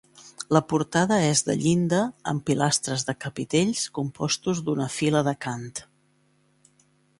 La portada és de llinda amb pilastres de capitells compostos d'una fila d'acant.